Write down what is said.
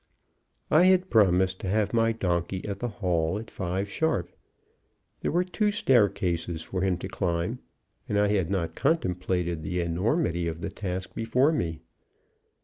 I had promised to have my donkey at the Hall at five sharp. There were two staircases for him to climb, and I had not contemplated the enormity of the task before me.